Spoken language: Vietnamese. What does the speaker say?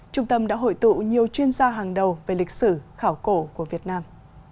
trung tâm đã hội tụ nhiều chuyên gia hàng đầu về lịch sử khảo cổ của việt nam